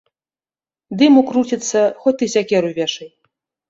Дыму круціцца, хоць ты сякеру вешай.